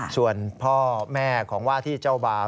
ส่วนพ่อแม่ของว่าที่เจ้าบ่าว